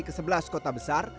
ke sebelas kota besar